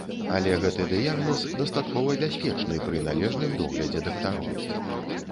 Але гэты дыягназ дастаткова бяспечны пры належным доглядзе дактароў.